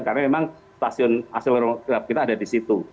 karena memang stasiun accelerometer kita ada di situ